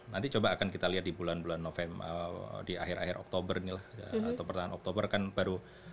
nanti coba akan kita lihat di bulan bulan november di akhir akhir oktober ini lah atau pertengahan oktober kan baru